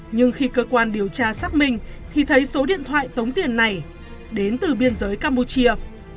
nhưng khi cơ quan điều tra xác minh thì thấy số điện thoại tống tiền này đến từ biên giới campuchia